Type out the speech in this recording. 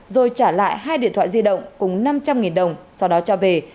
rồi trả lại hai điện thoại di động cùng năm trăm linh đồng sau đó cho về